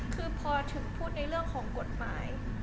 คือพอถึงพูดในเรื่องของกฎหมาย